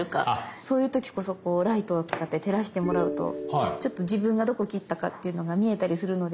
そういう時こそライトを使って照らしてもらうと自分がどこ切ったかっていうのが見えたりするので。